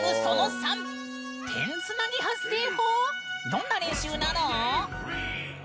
どんな練習なの？